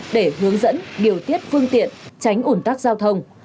để hướng dẫn điều tiết phương tiện tránh ủn tắc giao thông